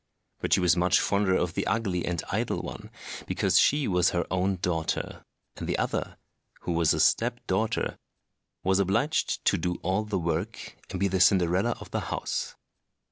But she was much fonder of the ugly and idle one, because she was her own daughter; and the other, who was a step daughter, was obliged to do all the work, and be the Cinderella of the house.